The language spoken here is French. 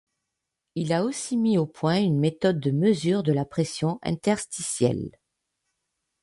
Il a aussi mis au point une méthode de mesure de la pression interstitielle.